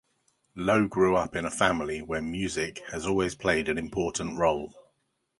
Lo grew up in a family where music has always played an important role.